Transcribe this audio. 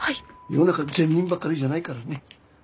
世の中善人ばかりじゃないからね。